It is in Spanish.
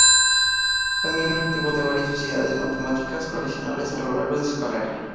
Fue miembro activo de varias sociedades matemáticas profesionales a lo largo de su carrera.